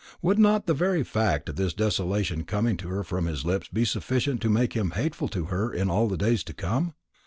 Would not the very fact of this desolation coming to her from his lips be sufficient to make him hateful to her in all the days to come?